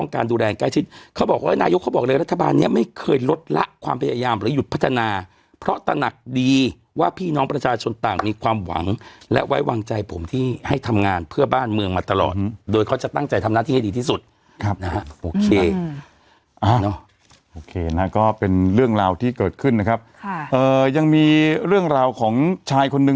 เขาบอกว่านายกเขาบอกเลยรัฐบาลเนี้ยไม่เคยลดละความพยายามหรือหยุดพัฒนาเพราะตระหนักดีว่าพี่น้องประชาชนต่างมีความหวังและไว้วางใจผมที่ให้ทำงานเพื่อบ้านเมืองมาตลอดโดยเขาจะตั้งใจทำหน้าที่ให้ดีที่สุดครับนะฮะโอเคโอเคนะก็เป็นเรื่องราวที่เกิดขึ้นนะครับค่ะเอ่อยังมีเรื่องราวของชายคนนึง